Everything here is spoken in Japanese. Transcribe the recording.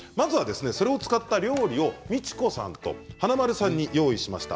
それを使った料理をミチコさんと華丸さんに用意しました。